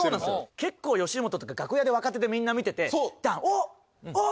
結構吉本とか楽屋で若手でみんな見てて「おっ！おっ！」